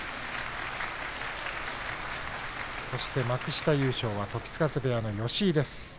そして、幕下優勝は時津風部屋の吉井です。